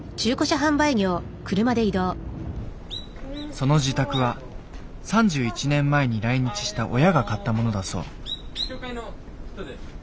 その自宅は３１年前に来日した親が買ったものだそう。